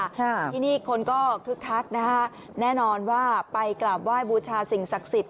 ค่ะที่นี่คนก็คึกคักนะฮะแน่นอนว่าไปกราบไหว้บูชาสิ่งศักดิ์สิทธิ